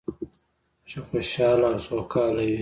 چې خوشحاله او سوکاله وي.